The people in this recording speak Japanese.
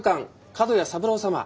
角谷三郎様。